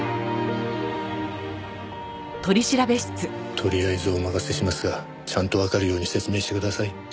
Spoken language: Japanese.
とりあえずお任せしますがちゃんとわかるように説明してください。